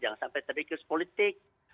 jangan sampai terjadi krisis politik